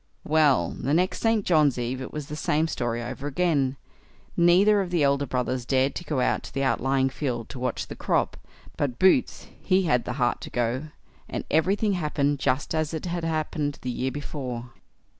Well, the next St. John's eve it was the same story over again; neither of the elder brothers dared to go out to the outlying field to watch the crop; but Boots, he had the heart to go, and everything happened just as it had happened the year before.